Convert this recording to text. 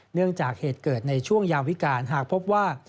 เนื่องจากเหตุเกิดในช่วงยามวิการหากพบว่า